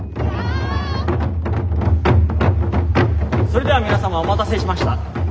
それでは皆様お待たせしました。